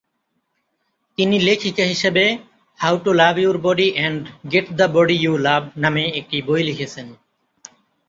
তিনি লেখিকা হিসেবে "how to love your body and get the body you love" নামে একটি বই লিখেছেন।